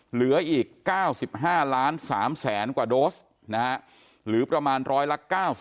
เหลืออีก๙๕ล้าน๓แสนกว่าโดสหรือประมาณร้อยละ๙๐